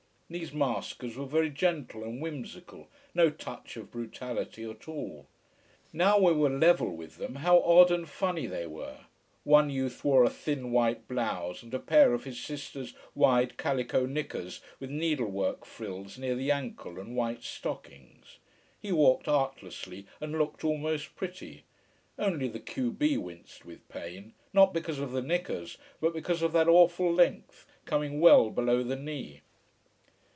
These maskers were very gentle and whimsical, no touch of brutality at all. Now we were level with them, how odd and funny they were. One youth wore a thin white blouse and a pair of his sister's wide, calico knickers with needlework frills near the ankle, and white stockings. He walked artlessly, and looked almost pretty. Only the q b winced with pain: not because of the knickers, but because of that awful length, coming well below the knee.